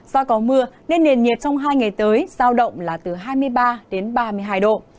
do có mưa nên nền nhiệt trong hai ngày tới giao động là từ hai mươi ba đến ba mươi hai độ